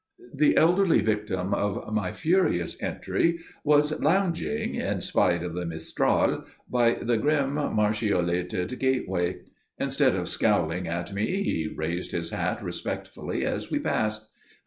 The elderly victim of my furious entry was lounging, in spite of the mistral, by the grim machicolated gateway. Instead of scowling at me he raised his hat respectfully as we passed.